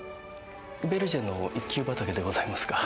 ヴェルジェの１級畑でございますか。